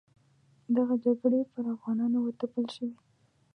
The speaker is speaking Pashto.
دغه جګړې پر افغانانو وتپل شوې.